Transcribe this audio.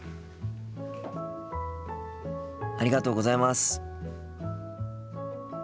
ありがとうございます。